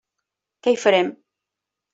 Que hi farem!